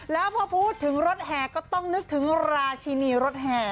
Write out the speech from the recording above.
แล้วพอพูดถึงรถแห่ก็ต้องนึกถึงราชินีรถแห่